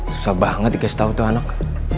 susah banget dikasih tahu tuh anak